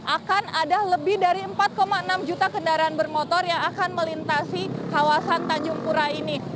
akan ada lebih dari empat enam juta kendaraan bermotor yang akan melintasi kawasan tanjung pura ini